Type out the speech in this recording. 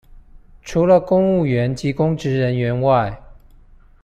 除了公務員及公職人員外